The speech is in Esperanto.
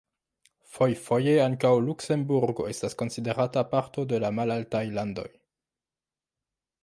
Fojfoje ankaŭ Luksemburgo estas konsiderata parto de la Malaltaj Landoj.